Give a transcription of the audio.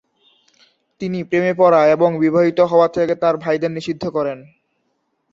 তিনি প্রেমে পড়া এবং বিবাহিত হওয়া থেকে তার ভাইদের নিষিদ্ধ করেন।